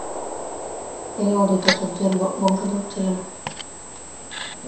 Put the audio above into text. তিনি অদ্বৈতাচার্যের বংশধর ছিলেন।